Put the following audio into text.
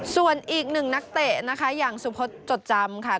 ส่วนอีกหนึ่งนักเตะที่สุพธจดจำ